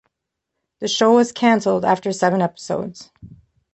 The show was canceled after seven episodes.